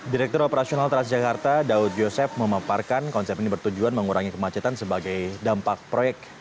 direktur operasional transjakarta daud yosef memaparkan konsep ini bertujuan mengurangi kemacetan sebagai dampak proyek